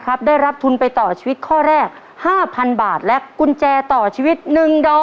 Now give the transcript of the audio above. ครับได้รับทุนไปต่อชีวิตข้อแรกห้าพันบาทและกุญแจต่อชีวิตหนึ่งดอก